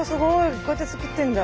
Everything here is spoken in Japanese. こうやって作ってるんだ。